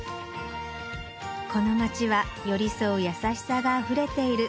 この街は寄り添う優しさがあふれている